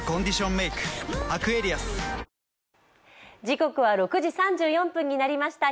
時刻は６時３４分になりました